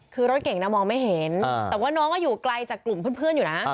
คือรถเก่งนะมองไม่เห็นแต่ว่าน้องก็อยู่ไกลจากกลุ่มเพื่อนอยู่นะ